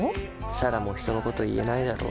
彩良も人のこと言えないだろ。